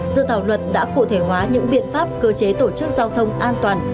dự thảo luật đã cụ thể hóa những biện pháp cơ chế tổ chức giao thông an toàn